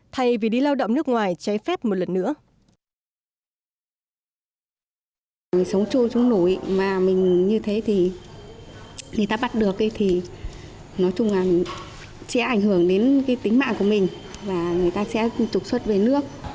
chị quyết định làm công nhân ở bắc tràng thay vì đi lao động nước ngoài cháy phép một lần nữa